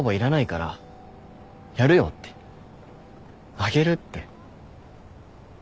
「あげる」って。